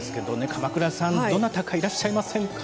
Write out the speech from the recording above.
鎌倉さん、どなたかいらっしゃいませんか？